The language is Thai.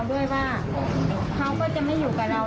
แล้วพาซิล็อตเตอรี่ด้วยกันคุณกลับหนีไปโดยที่ไม่บอกอะไรกับเราเลยอะค่ะ